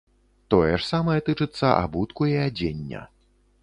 Тое ж самае тычыцца абутку, і адзення.